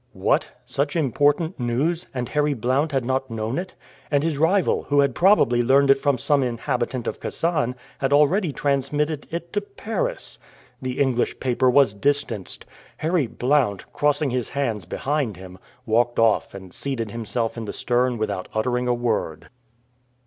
What! such important news, and Harry Blount had not known it; and his rival, who had probably learned it from some inhabitant of Kasan, had already transmitted it to Paris. The English paper was distanced! Harry Blount, crossing his hands behind him, walked off and seated himself in the stern without uttering a word.